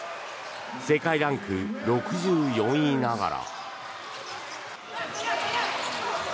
世界ランク６４位ながら。